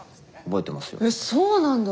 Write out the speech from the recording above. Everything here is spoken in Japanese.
えっそうなんだ。